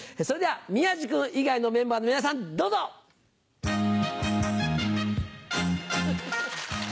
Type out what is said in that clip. それでは宮治君以外のメンバーの皆さんどうぞ！あ！